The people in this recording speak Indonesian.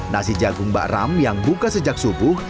nasi jagung mbak ram yang buka sejak subuh